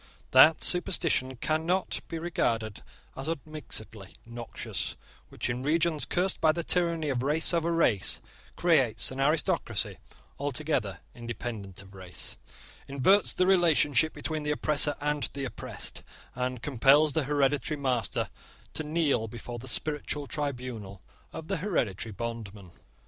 That superstition cannot be regarded as unmixedly noxious which, in regions cursed by the tyranny of race over race, creates an aristocracy altogether independent of race, inverts the relation between the oppressor and the oppressed, and compels the hereditary master to kneel before the spiritual tribunal of the hereditary bondman.